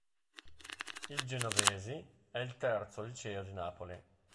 Il "Genovesi" è il terzo liceo di Napoli.